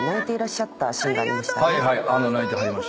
はいはい泣いてはりました。